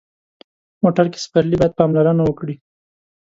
موټر کې سپرلي باید پاملرنه وکړي.